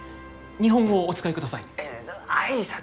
日本語をお使いください。